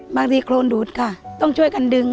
โครนดูดค่ะต้องช่วยกันดึง